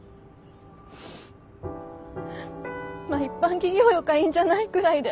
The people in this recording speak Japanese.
まっ一般企業よかいいんじゃない？くらいで。